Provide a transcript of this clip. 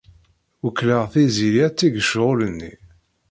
Wekkleɣ Tiziri ad teg ccɣel-nni.